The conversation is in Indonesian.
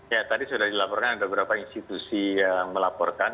ya tadi sudah dilaporkan ada beberapa institusi yang melaporkan